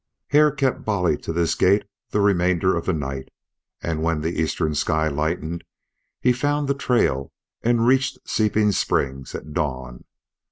Hare kept Bolly to this gait the remainder of the night, and when the eastern sky lightened he found the trail and reached Seeping Springs at dawn.